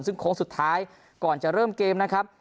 ซึ่งโค้งสุดท้ายก่อนจะเริ่มเกมนะครับ